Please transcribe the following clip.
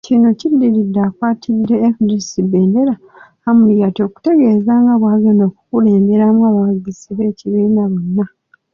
Kino kiddiridde akwatidde FDC bbendera, Amuriat okutegeeza nga bw'agenda okukulemberamu abawagizi b'ekibiina bonna